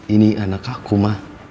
ini anak aku ma